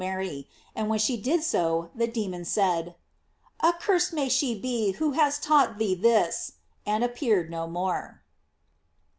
Mary;" and when she did so the demon said: "Accursed may she be who has taught thee this," and appeared no more.